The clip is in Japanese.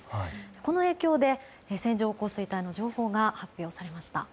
この影響で線状降水帯の情報が発表されました。